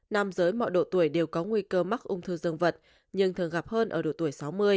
nam giới mọi độ tuổi đều có nguy cơ mắc ung thư dương vật nhưng thường gặp hơn ở độ tuổi sáu mươi